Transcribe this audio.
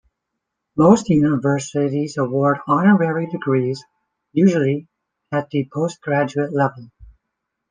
Most universities award honorary degrees, usually at the postgraduate level.